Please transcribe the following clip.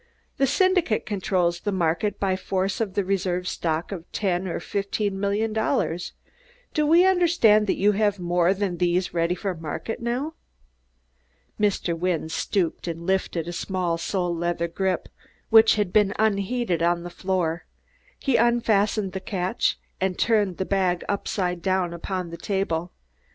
"The Syndicate controls the market by force of a reserve stock of ten or fifteen million dollars. Do we understand that you have more than these ready for market now?" Mr. Wynne stooped and lifted the small sole leather grip which had been unheeded on the floor. He unfastened the catch and turned the bag upside down upon the table.